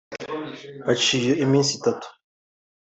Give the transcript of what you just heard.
haciye iminsi itatu